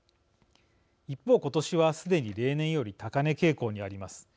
一方、今年はすでに例年より高値傾向にあります。